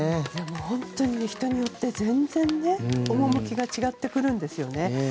本当に人によって全然趣が違ってくるんですよね。